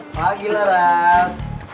pagi lah ras